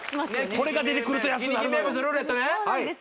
これが出てくると安くなるのよ